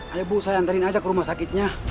ayo bu saya antarin aja ke rumah sakitnya